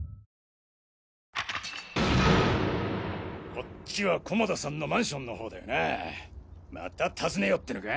こっちは菰田さんのマンションの方だよなぁまた訪ねようってのか？